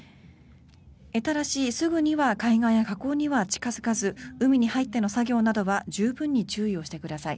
ただし、すぐには海岸や河口には近付かず海に入っての作業などは十分に注意してください。